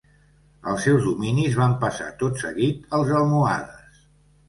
Els seus dominis van passar tot seguit als almohades.